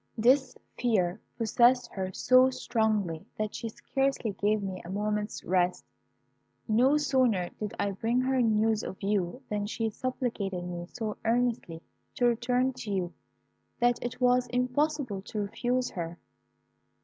This fear possessed her so strongly, that she scarcely gave me a moment's rest. No sooner did I bring her news of you than she supplicated me so earnestly to return to you, that it was impossible to refuse her.